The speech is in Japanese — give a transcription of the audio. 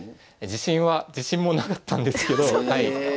自信は自信もなかったんですけどなるほど。